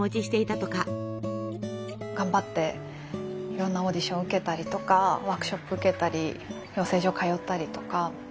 頑張っていろんなオーディションを受けたりとかワークショップ受けたり養成所通ったりとか。